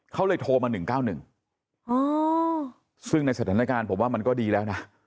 เขาเลยโทรมา๑๙๑ซึ่งในสถานการณ์ผมว่ามันก็ดีแล้วนะ